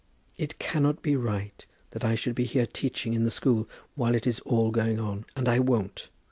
It cannot be right that I should be here teaching in the school, while it is all going on; and I won't.